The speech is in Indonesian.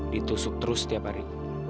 ditusuk terus tiap hari